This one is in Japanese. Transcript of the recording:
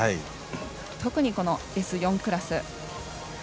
特にこのＳ４クラスは。